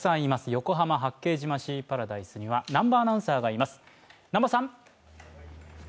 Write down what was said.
横浜八景島シーパラダイスには、南波アナウンサーがいます。